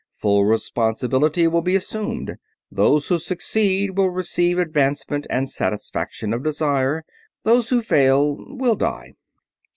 Full responsibility will be assumed. Those who succeed will receive advancement and satisfaction of desire; those who fail will die.